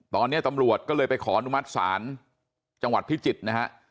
ตอนนี้ตำรวจก็เลยไปขออนุมัติศาลจังหวัดพิจิตรนะฮะ